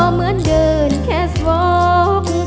เหมือนเดินแค่สวอง